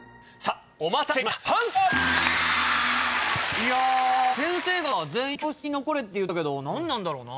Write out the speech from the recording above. いや先生がさ全員教室に残れって言ってたけど何なんだろうな？